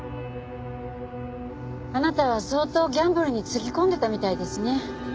あなたは相当ギャンブルにつぎ込んでたみたいですね。